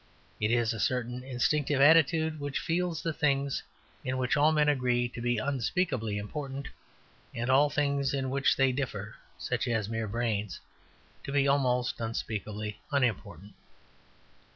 It is a certain instinctive attitude which feels the things in which all men agree to be unspeakably important, and all the things in which they differ (such as mere brains) to be almost unspeakably unimportant.